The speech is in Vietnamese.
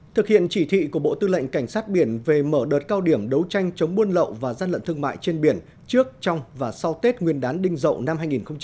thực hiện chỉ thị của bộ tư lệnh cảnh sát biển về mở đợt cao điểm đấu tranh chống buôn lậu và gian lận thương mại trên biển trước trong và sau tết nguyên đán đinh dậu năm hai nghìn hai mươi